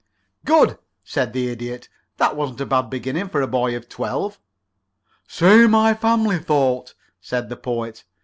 '" "Good!" said the Idiot. "That wasn't a bad beginning for a boy of twelve." "So my family thought," said the Poet.